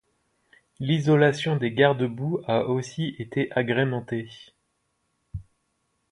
L'isolation des garde-boue a aussi été agrémentée.